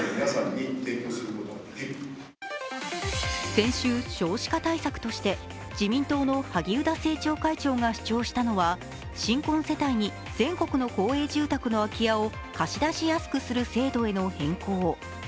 先週、少子化対策として自民党の萩生田政調会長が主張したのは新婚世帯に全国の公営住宅の空き家を貸し出しやすくする制度への変更。